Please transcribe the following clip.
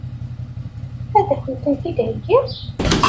Ad kent-tent-id-heggin?